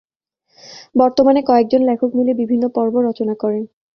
বর্তমানে কয়েকজন লেখক মিলে বিভিন্ন পর্ব রচনা করেন।